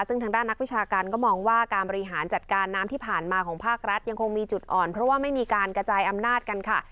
ซึ่งทางด้านนักวิชาการก็มองว่าการบริหารจัดการน้ำที่ผ่านมาของภาครัฐยังคงมีจุดอ่อนเพราะว่าไม่มีการกระจายอำนาจกันค่ะ